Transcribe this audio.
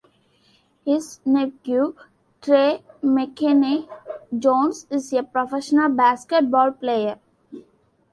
His nephew, Trey McKinney-Jones, is a professional basketball player.